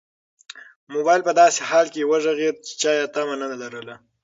موبایل په داسې حال کې وغږېد چې چا یې تمه نه لرله.